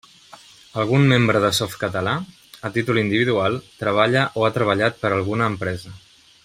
Algun membre de Softcatalà, a títol individual, treballa o ha treballat per a alguna empresa.